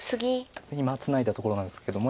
今ツナいだところなんですけども。